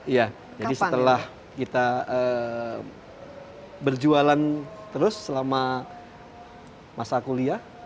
iya jadi setelah kita berjualan terus selama masa kuliah